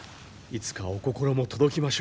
いつかお心も届きましょう。